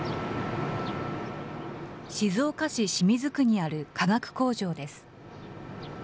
静岡市清水区にある化学工場です。